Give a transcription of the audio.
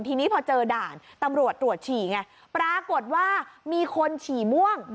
ทีนี้พอเจอด่านตำรวจตรวจฉี่ไงปรากฏว่ามีคนฉี่ม่วง